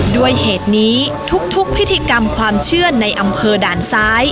ด้วยเหตุนี้ทุกพิธีกรรมความเชื่อในอำเภอด่านซ้าย